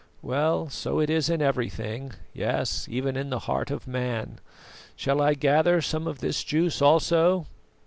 Well, so it is in everything; yes, even in the heart of man. Shall I gather some of this juice also?